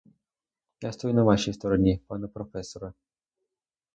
Я стою на вашій стороні, пане професоре!